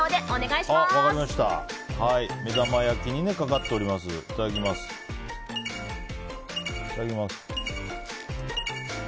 いただきます。